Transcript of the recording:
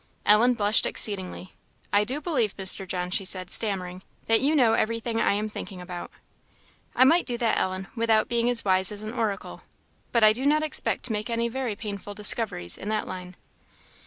Ellen blushed exceedingly. "I do believe, Mr. John," she said, stammering, "that you know everything I am thinking about." "I might do that, Ellen, without being as wise as an oracle. But I do not expect to make any very painful discoveries in that line."